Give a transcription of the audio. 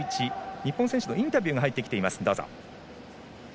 日本選手のインタビューが入ってきています。